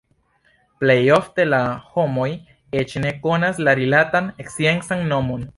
Plej ofte la homoj eĉ ne konas la rilatan sciencan nomon.